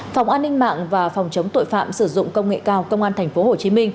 phòng an ninh mạng và phòng chống tội phạm sử dụng công nghệ cao công an tp hcm